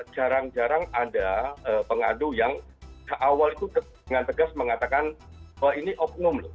jarang jarang ada pengadu yang awal itu dengan tegas mengatakan bahwa ini oknum loh